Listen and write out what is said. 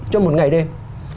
cho một ngày đêm